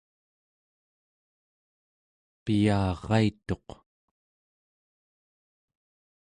piyaraituq